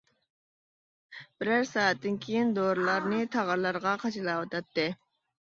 بىرەر سائەتتىن كېيىن دورىلارنى تاغارلارغا قاچىلاۋاتاتتى.